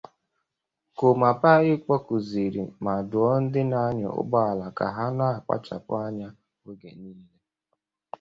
Kumapayi kpọkukwazịrị ma dụọ ndị na-anyà ụgbọala ka ha na-akpachapụ anya oge niile